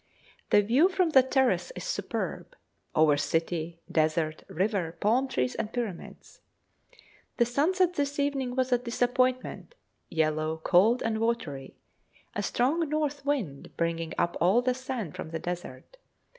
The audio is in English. The view from the terrace is superb, over city, desert, river, palm trees, and Pyramids. The sunset this evening was a disappointment; yellow, cold, and watery, a strong north wind bringing up all the sand from the desert.